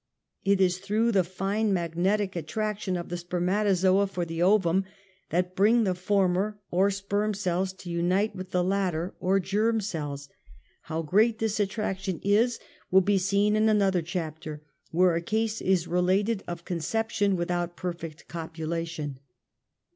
It is throuerhthe fine ma2;netic attraction of the spermatozoa for the ovum that bring the former, or sperm, cells, to unite with the latter, or germ cells. How great this attraction is will be seen in another chapter, where a case is related of conception without perfect copulation.